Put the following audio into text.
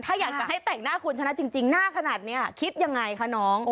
ถ้าอยากจะให้แต่งหน้าคุณชนะจริงหน้าขนาดนี้คิดยังไงคะน้อง